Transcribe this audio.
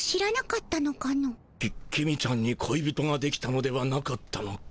き公ちゃんにこい人ができたのではなかったのか。